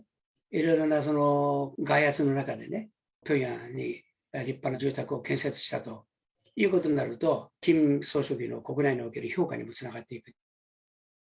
いろいろな外圧の中でね、ピョンヤンに立派な住宅を建設したということになると、キム総書記の国内における評価にもつながってくる。